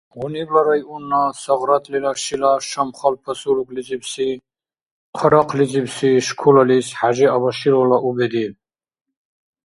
Гъунибла районна Согъратлила шила Шамхал поселоклизибси хъарахълизибси школалис Хӏяжи Абашиловла у бедиб.